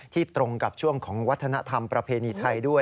ตรงกับช่วงของวัฒนธรรมประเพณีไทยด้วย